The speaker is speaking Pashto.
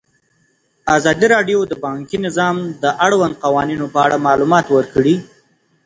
ازادي راډیو د بانکي نظام د اړونده قوانینو په اړه معلومات ورکړي.